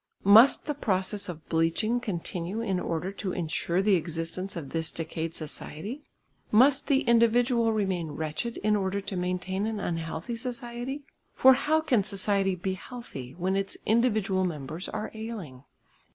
Must the process of bleaching continue in order to insure the existence of this decayed society? Must the individual remain wretched in order to maintain an unhealthy society? For how can society be healthy when its individual members are ailing?